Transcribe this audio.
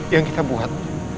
yang kita buat